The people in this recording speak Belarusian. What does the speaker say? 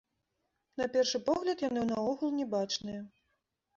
На першы погляд, яны наогул не бачныя.